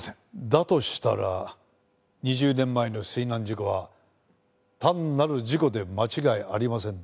だとしたら２０年前の水難事故は単なる事故で間違いありませんね？